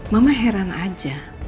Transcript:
mama heran aja